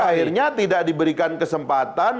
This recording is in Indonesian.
akhirnya tidak diberikan kesempatan